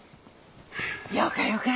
よかよか。